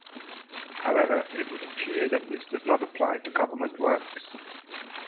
However, it would appear that this does not apply to government works.